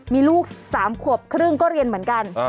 มีลูก๓ขวบครึ่งก็เรียนเหมือนกัน